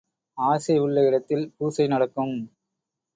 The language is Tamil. ஆசை உள்ள இடத்தில் பூசை நடக்கும்.